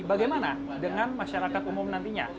bagaimana dengan masyarakat umum nantinya